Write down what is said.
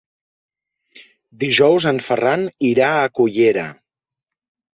Dijous en Ferran irà a Cullera.